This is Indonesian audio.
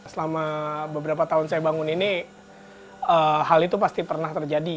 selama beberapa tahun saya bangun ini hal itu pasti pernah terjadi